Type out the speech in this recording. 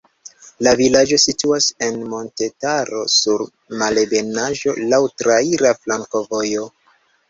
La vilaĝo situas en montetaro sur malebenaĵo, laŭ traira flankovojo.